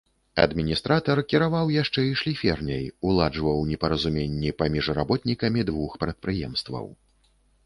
Адміністратар кіраваў яшчэ і шліферняй, уладжваў непаразуменні паміж работнікамі двух прадпрыемстваў.